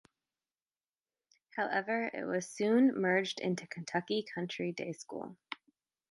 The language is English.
However, it was soon merged into Kentucky Country Day School.